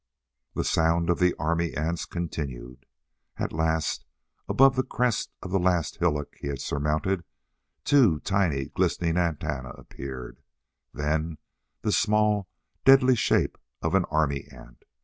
The sound of the army ants continued. At last, above the crest of the last hillock he had surmounted, two tiny glistening antennae appeared, then the small, deadly shape of an army ant.